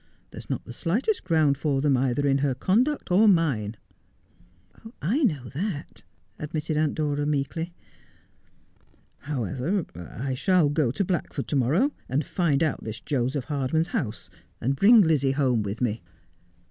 There is not the slightest ground for them either in her conduct or mine.' ' I know that,' admitted Aunt Dora meekly. ' However, 1 shall go to Blackford to morrow, and find out this Joseph Hardman's house, and bring Lizzie home with me.'